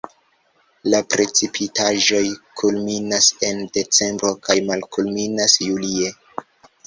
La precipitaĵoj kulminas en decembro kaj malkulminas julie.